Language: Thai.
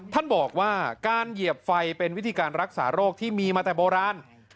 ท่านบอกว่าการเหยียบไฟเป็นวิธีการรักษาโรคที่มีมาแต่โบราณ